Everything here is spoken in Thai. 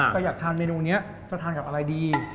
แต่อยากทานเมนูนี้จะทานกับอะไรดี